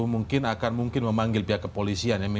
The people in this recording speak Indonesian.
mungkin akan mungkin memanggil pihak kepolisian